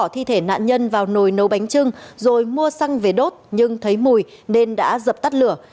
thi thể nạn nhân vào nồi nấu bánh trưng rồi mua xăng về đốt nhưng thấy mùi nên đã dập tắt lửa